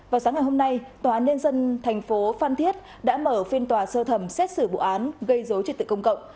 vào sáng ngày hôm nay tòa án nhân dân thành phố phan thiết đã mở phiên tòa sơ thẩm xét xử vụ án gây dối trật tự công cộng